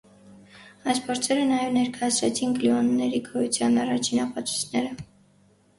Այս փորձերը նաև ներկայացրեցին գլյուոնների գոյության առաջին ապացույցները։